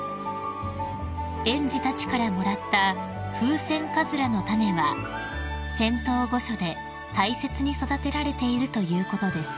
［園児たちからもらったフウセンカズラの種は仙洞御所で大切に育てられているということです］